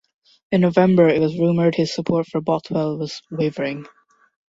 In November it was rumoured his support for Bothwell was wavering.